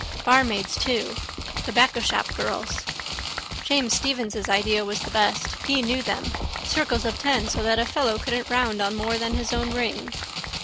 Barmaids too. Tobaccoshopgirls. James Stephens' idea was the best. He knew them. Circles of ten so that a fellow couldn't round on more than his own ring.